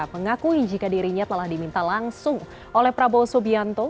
mengakui jika dirinya telah diminta langsung oleh prabowo subianto